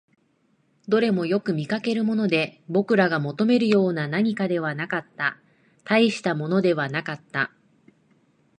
どれもよく見かけるもので、僕らが求めるような何かではなかった、大したものではなかった